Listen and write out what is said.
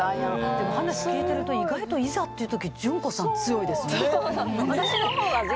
でも話聞いてると意外といざっていう時ダメなんです。